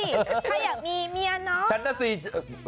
ใครอยากมีเมียน้อย